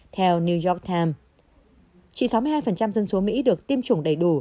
theo new york times chỉ sáu mươi hai dân số mỹ được tiêm chủng đầy đủ